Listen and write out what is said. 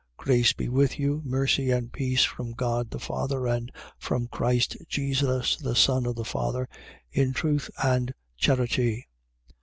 1:3. Grace be with you, mercy and peace from God the Father and from Christ Jesus the Son of the Father: in truth and charity.